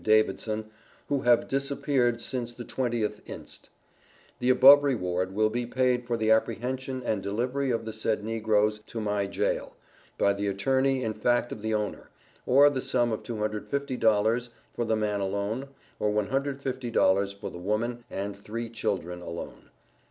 Davidson, who have disappeared since the 20th inst. The above reward will be paid for the apprehension and delivery of the said Negroes to my Jail, by the attorney in fact of the owner, or the sum of $250 for the man alone, or $150 for the woman and three children alone.